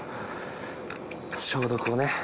消毒をね。